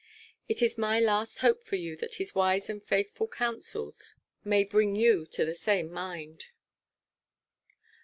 It is my last hope for you that his wise and faithful counsels may bring you to the same mind."